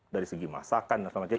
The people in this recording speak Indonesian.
dari segi masakan dan sebagainya